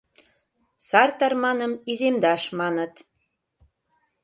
Сар тарманым иземдаш, маныт.